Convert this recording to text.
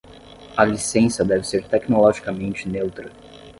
A licença deve ser tecnologicamente neutra.